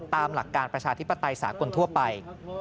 ตามหลักการประชาธิปไตยสากลทั่วไป